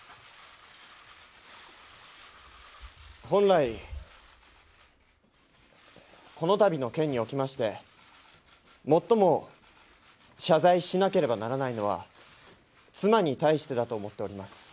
本来、このたびの件におきまして、最も謝罪しなければならないのは、妻に対してだと思っております。